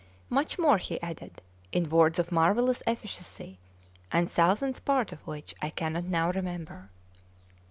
Much more he added, in words of marvellous efficacy, the thousandth part of which I cannot now remember.